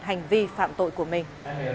hành vi phạm tội của mình